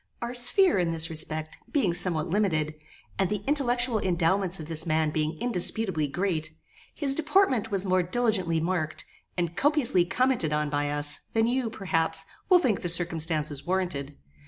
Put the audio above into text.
Our sphere, in this respect, being somewhat limited, and the intellectual endowments of this man being indisputably great, his deportment was more diligently marked, and copiously commented on by us, than you, perhaps, will think the circumstances warranted.